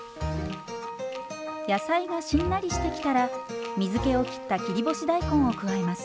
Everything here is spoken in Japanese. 野菜がしんなりしてきたら水けをきった切り干し大根を加えます。